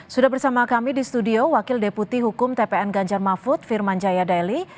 sudah bersama kami di studio wakil deputi hukum tpn ganjar mahfud firman jaya dali